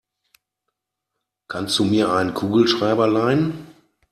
Kannst du mir einen Kugelschreiber leihen?